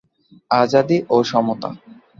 আজাদী ও সমতা।